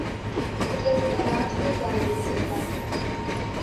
It is in the National Gallery in London.